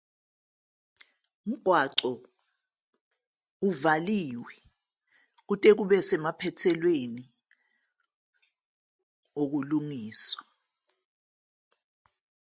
Umgwaqo uvaliwe kuze kube kuphothulwa ukulungiswa.